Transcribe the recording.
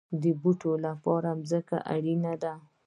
د بوټو لپاره ځمکه اړین ده